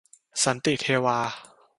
สันติเทวา